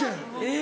え！